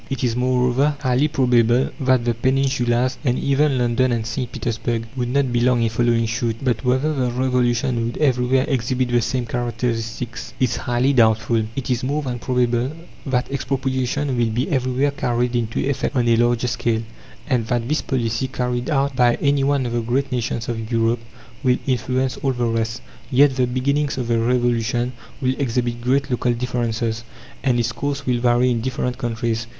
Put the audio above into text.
It is, moreover, highly probable that the Peninsulas and even London and St. Petersburg would not be long in following suit. But whether the Revolution would everywhere exhibit the same characteristics is highly doubtful. It is more than probable that expropriation will be everywhere carried into effect on a larger scale, and that this policy carried out by any one of the great nations of Europe will influence all the rest; yet the beginnings of the Revolution will exhibit great local differences, and its course will vary in different countries.